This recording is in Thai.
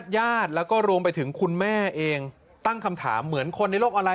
ญาติแล้วก็รวมไปถึงคุณแม่เองตั้งคำถามเหมือนคนในโลกออนไล